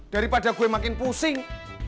daripada gue makin pusing